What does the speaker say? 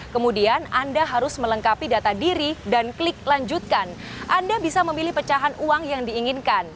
kemudian anda harus melengkapi data diri dan klik lanjutkan anda bisa memilih pecahan uang yang diinginkan